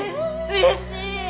うれしい！